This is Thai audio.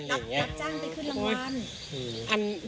ก็แจ้งเข้าไปขึ้นรางวัล